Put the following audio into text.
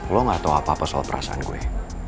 lo gak tahu apa apa soal perasaan gue